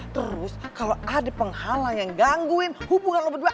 terus kalo ada penghalang yang gangguin hubungan lo berdua